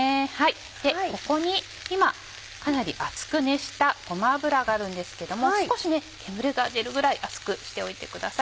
ここに今かなり熱く熱したごま油があるんですけども少し煙が出るぐらい熱くしておいてください。